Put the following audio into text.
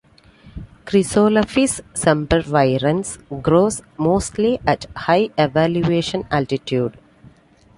"Chrysolepis sempervirens" grows mostly at high elevation, altitude.